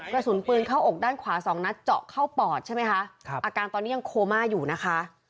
กระสุนปืนเข้าอกด้านขวาสองนัดเจาะเข้าปอดใช่ไหมคะอาการตอนนี้ยังโคม่าอยู่นะคะ